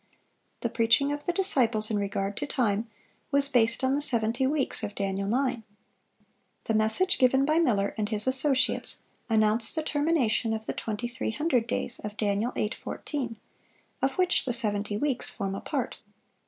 The preaching of the disciples in regard to time was based on the seventy weeks of Daniel 9. The message given by Miller and his associates announced the termination of the 2300 days of Dan. 8:14, of which the seventy weeks form a part.